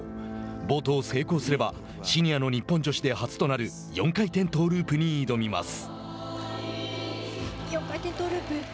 冒頭、成功すればシニアの日本女子で初となる４回転トーループに挑みます。